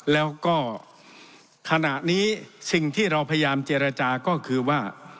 แล้วก็ขณะนี้สิ่งที่เราพยายามเจรจาก็คือว่า